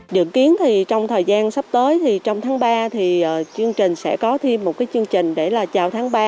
dự kiến thì trong thời gian sắp tới thì trong tháng ba thì chương trình sẽ có thêm một cái chương trình để là chào tháng ba